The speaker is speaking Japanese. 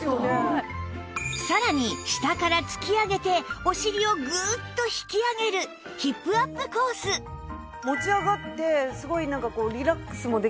さらに下から突き上げてお尻をグッと引き上げるヒップアップコースそうなんです。